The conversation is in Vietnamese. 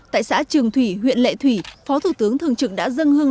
tại xã trường thủy huyện lệ thủy phó thủ tướng thường trực đã dân hương